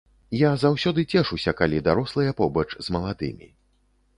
Я заўсёды цешуся, калі дарослыя побач з маладымі.